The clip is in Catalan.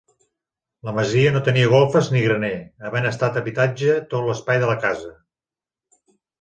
La masia no tenia golfes ni graner, havent estat habitatge tot l'espai de la casa.